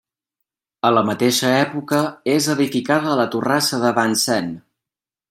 A la mateixa època és edificada la torrassa de Vincennes.